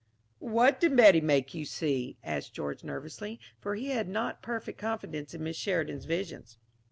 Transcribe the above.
"What did Betty make you see?" asked George nervously, for he had not perfect confidence in Miss Sheridan's visions.